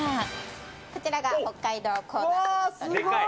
こちらが北海道コーナーでごわー、すごい。